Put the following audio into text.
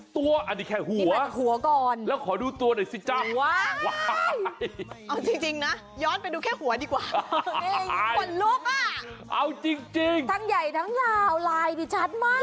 ตัวมันใหญ่ทั้งราวลายมันชัดมาก